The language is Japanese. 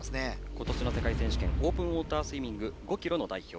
今年の世界選手権オープンウォータースイミング５ｋｍの代表。